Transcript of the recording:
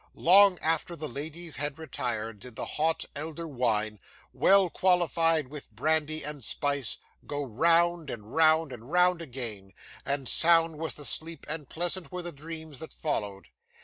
Long after the ladies had retired, did the hot elder wine, well qualified with brandy and spice, go round, and round, and round again; and sound was the sleep and pleasant were the dreams that followed.